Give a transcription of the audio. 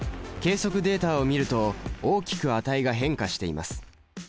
計測データを見ると大きく値が変化しています。